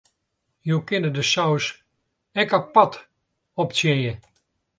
Jo kinne de saus ek apart optsjinje.